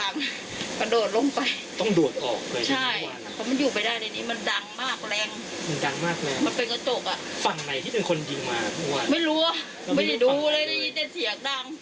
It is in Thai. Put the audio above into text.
ไม่รู้ไม่ได้ดูเลยได้ยินเสียงดัง